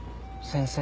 先生。